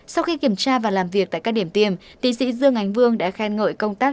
sau khi kiểm tra và làm việc tại các điểm tiêm ti sĩ dương ánh vương đã khen ngợi công tác